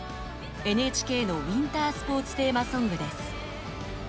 ＮＨＫのウィンタースポーツテーマソングです。